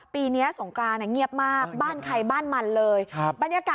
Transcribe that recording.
ปีเนี้ยสงกราน่ะเงียบมาก